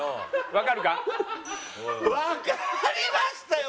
わかりましたよ